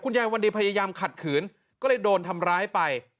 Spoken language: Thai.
ยายวันดีพยายามขัดขืนก็เลยโดนทำร้ายไป